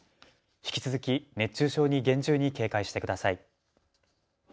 引き続き熱中症に厳重に警戒してください。